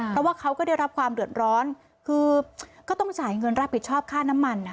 เพราะว่าเขาก็ได้รับความเดือดร้อนคือก็ต้องจ่ายเงินรับผิดชอบค่าน้ำมัน